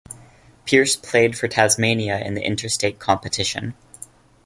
Pearce played for Tasmania in the interstate competition.